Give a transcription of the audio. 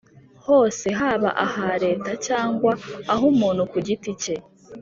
hose haba aha Leta cyangwa ah’ umuntu ku giti cye